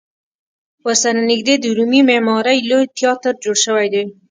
ورسره نږدې د رومي معمارۍ لوی تیاتر جوړ شوی دی.